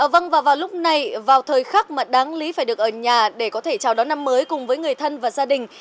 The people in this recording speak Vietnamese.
vâng và vào lúc này vào thời khắc mà đáng lý phải được ở nhà để có thể chào đón năm mới cùng với người thân và gia đình